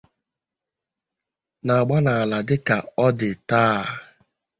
n'agba n'ala dịka ọ dị taa